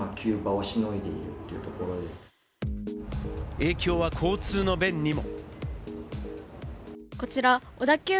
影響は交通の便にも。